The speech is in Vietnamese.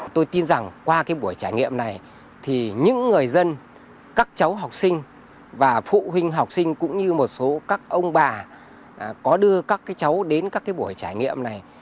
tôi tin rằng qua cái buổi trải nghiệm này thì những người dân các cháu học sinh và phụ huynh học sinh cũng như một số các ông bà có đưa các cháu đến các cái buổi trải nghiệm này